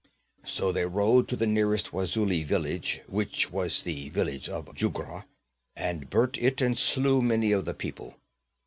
'So they rode to the nearest Wazuli village, which was the village of Jugra, and burnt it and slew many of the people.